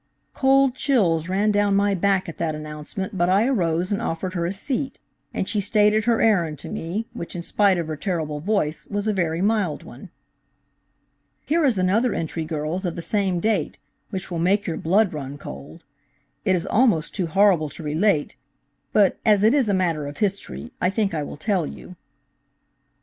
"Cold chills ran down my back at that announcement, but I arose and offered her a seat, and she stated her errand to me, which in spite of her terrible voice, was a very mild one." "Here is another entry, girls, of the same date, which will make your blood run cold. It is almost too horrible to relate, but as it is a matter of history, I think I will tell you.